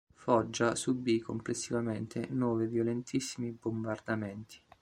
Foggia subì complessivamente nove violentissimi bombardamenti.